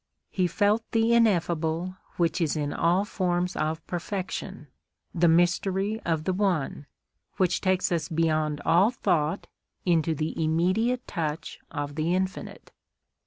he felt the ineffable which is in all forms of perfection, the mystery of the One, which takes us beyond all thought into the immediate touch of the Infinite.